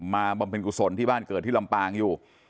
บำเพ็ญกุศลที่บ้านเกิดที่ลำปางอยู่